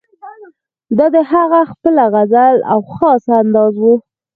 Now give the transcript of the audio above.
دا د هغه خپله غزل او خاص انداز وو.